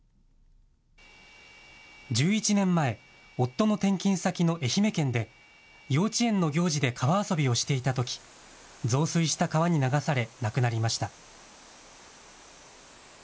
１１年前、夫の転勤先の愛媛県で幼稚園の行事で川遊びをしていたとき増水した川に流され亡くなりました。